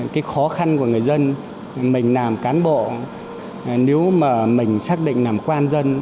cái khó khăn của người dân mình làm cán bộ nếu mà mình xác định làm quan dân